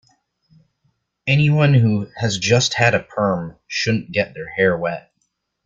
Anyone who has just had a perm shouldn't get their hair wet.